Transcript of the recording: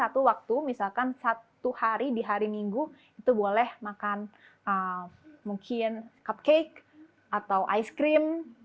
jadi saya bisa makan satu hari di hari minggu mungkin makan cupcake atau ice cream